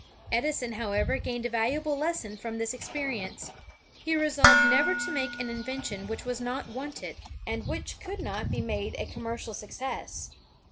Edison, however, gained a valuable lesson from this experience. He resolved never to make an invention which was not wanted, and which could not be made a commercial success.